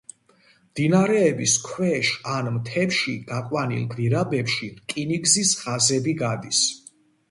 მდინარეების ქვეშ ან მთებში გაყვანილ გვირაბებში რკინიგზის ხაზები გადის.